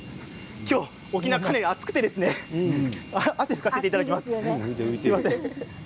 沖縄は暑くて汗を拭かせていただきます。